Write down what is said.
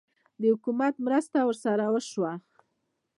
د حکومت مرسته ورسره وشوه؟